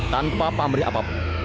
tanpa pamrih apapun